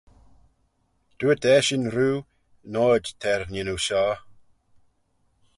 Dooyrt eshyn roo, noid t'er n'yannoo shoh.